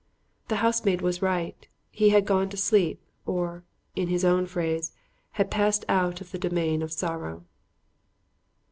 The housemaid was right. He had gone to sleep; or, in his own phrase, he had passed out of the domain of sorrow.